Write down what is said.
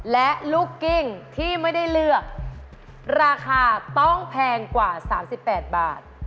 และลูกกิ้งที่ไม่ได้เลือกราคาต้องแพงกว่า๓๘บาท